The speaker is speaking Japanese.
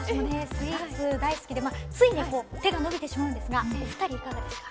スイーツ大好きでつい手が伸びてしまうんですがお二人いかがですか？